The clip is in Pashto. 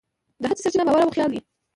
د هڅې سرچینه باور او خیال دی.